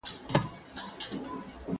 حساب کتاب مې هره ورځ ګورم.